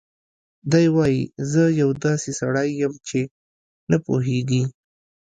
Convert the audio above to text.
دی وايي: "زه یو داسې سړی یم چې نه پوهېږي